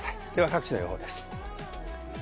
各地の予報です。